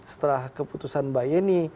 setelah keputusan mbak yeni